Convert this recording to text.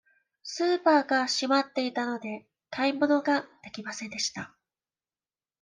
スーパーが閉まっていたので、買い物ができませんでした。